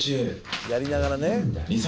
「やりながらね」